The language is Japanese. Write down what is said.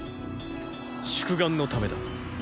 “宿願”のためだ。